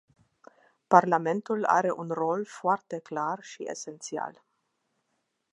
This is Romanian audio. Parlamentul are un rol foarte clar și esențial.